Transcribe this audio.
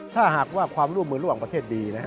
ถ้าหากว่าความร่วมมือร่วมประเทศดี